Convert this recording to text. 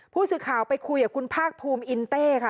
ผู้สื่อข่าวไปคุยกับคุณภาคภูมิอินเต้ค่ะ